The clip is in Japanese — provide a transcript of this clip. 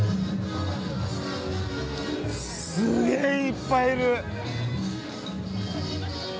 すげえいっぱいいる！